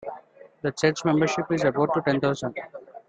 The Church's membership is about ten thousand.